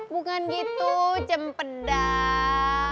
bukan gitu cempedang